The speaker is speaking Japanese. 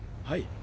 はい。